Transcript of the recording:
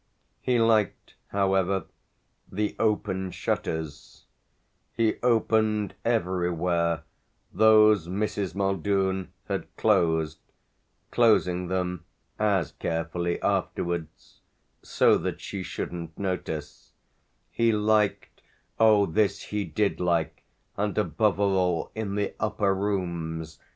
He liked however the open shutters; he opened everywhere those Mrs. Muldoon had closed, closing them as carefully afterwards, so that she shouldn't notice: he liked oh this he did like, and above all in the upper rooms!